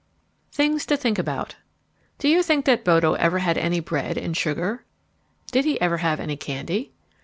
THINGS TO THINK ABOUT Do you think that Bodo ever had any bread and sugar? Did he ever have any candy?